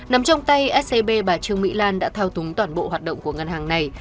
nằm trong tay scb bà trương mỹ lan đã thao túng toàn bộ hoạt động của ngân hàng này